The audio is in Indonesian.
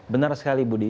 benar sekali budi